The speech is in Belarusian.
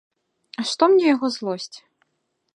А што мне яго злосць?